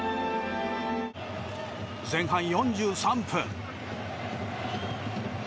前半４３分。